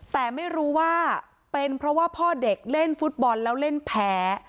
แต่ไม่รู้ว่าเป็นเพราะว่าพ่อเด็กเล่นฟุตบอลแล้วเล่นแพ้